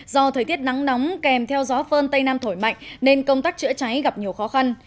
do thời tiết nắng nóng kèm theo gió phơn tây nam thổi mạnh nên công tác chữa cháy gặp nhiều khó khăn